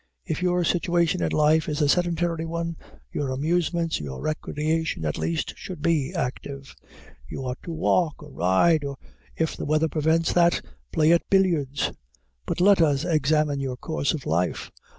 If your situation in life is a sedentary one, your amusements, your recreation, at least, should be active. You ought to walk or ride; or, if the weather prevents that, play at billiards. But let us examine your course of life.